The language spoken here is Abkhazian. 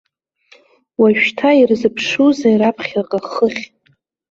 Уажәшьҭа ирзыԥшузеи раԥхьаҟа, хыхь.